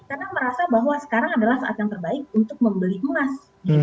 karena merasa bahwa sekarang adalah saat yang terbaik untuk membeli emas